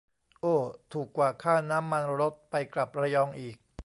โอ้ ถูกกว่าค่าน้ำมันรถ ไปกลับระยองอีก